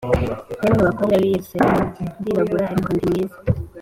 Yemwe bakobwa b i Yerusalemu ndirabura ariko ndi mwizi